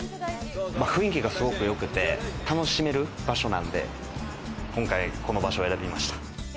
雰囲気がすごく良くて楽しめる場所なんで、今回この場所を選びました。